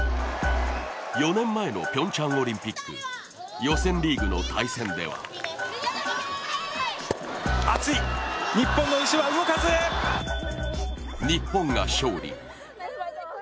４年前のピョンチャンオリンピック予選リーグの対戦では日本が勝利。